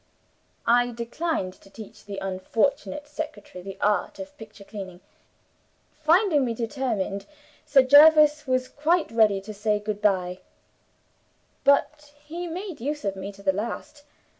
I declined to teach the unfortunate secretary the art of picture cleaning. Finding me determined, Sir Jervis was quite ready to say good by. But he made use of me to the last.